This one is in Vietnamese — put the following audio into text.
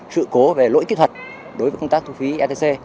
sự cố về lỗi kỹ thuật đối với công tác thu phí etc